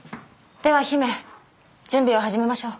では姫準備を始めましょう。